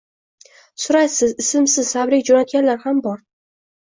Suratsiz, ismsiz tabrik joʻnatganlar ham bor.